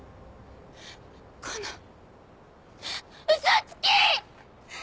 この嘘つき！